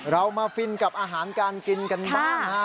เรามาฟินกับอาหารการกินกันบ้างฮะ